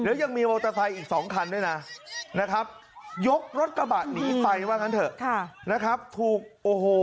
หรือยังมีอีกสองคันด้วยนะนะครับยกรถกระบาดหนีไฟบ้างกันเถอะค่ะนะครับถูกโอ้โห